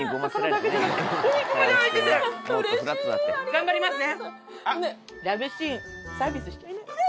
頑張りますね。